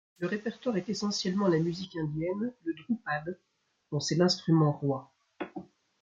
Le répertoire est essentiellement la musique indienne, le dhrupad, dont c'est l'instrument roi.